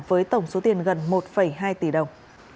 với tổng số tiền gần một hai tỷ đồng